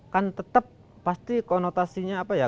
kan tetap pasti konotasinya apa ya